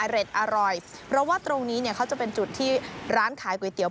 อร่อยเพราะว่าตรงนี้เนี่ยเขาจะเป็นจุดที่ร้านขายก๋วยเตี๋ย